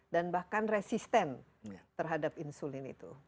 dan bahkan resisten terhadap insulin itu